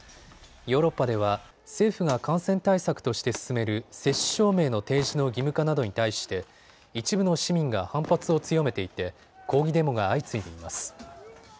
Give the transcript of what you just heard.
ヨーロッパでは政府が感染対策として進める接種証明の提示の義務化などに対して一部の市民が反発を強めていて抗議デモが相次いでいます。